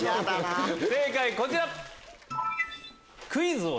正解こちら！